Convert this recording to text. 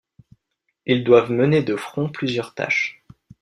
Ils doivent mener de front plusieurs tâches.